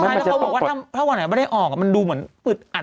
ใครเหมือนกับบอกว่าถ้าวันอะไรไม่ได้ออกมันดูเหมือนปุ๊ตอัด